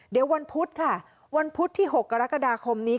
เดี๋ยววันพุธค่ะวันพุธที่๖กรกฎาคมนี้